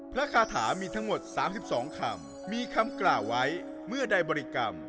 คาถามีทั้งหมด๓๒คำมีคำกล่าวไว้เมื่อใดบริกรรม